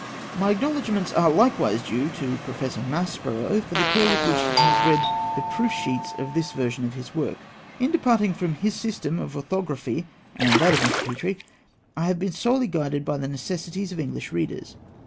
My acknowledgments are likewise due to Professor Maspero for the care with which he has read the proof sheets of this version of his work. In departing from his system of orthography (and that of Mr. Petrie) I have been solely guided by the necessities of English readers.